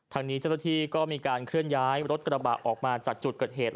ทางนี้เจ้าหน้าที่ก็มีการเคลื่อนย้ายรถกระบะออกมาจากจุดเกิดเหตุ